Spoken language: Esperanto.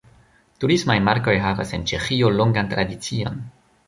Turismaj markoj havas en Ĉeĥio longan tradicion.